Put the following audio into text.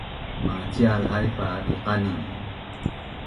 Macihal haip pa diqanin